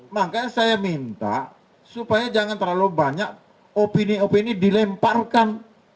makanya saya minta supaya jangan terlalu banyak opini opini dilemparkan